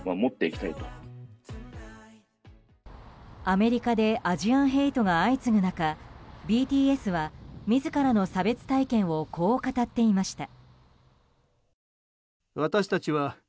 アメリカでアジアンヘイトが相次ぐ中ＢＴＳは、自らの差別体験をこう語っていました。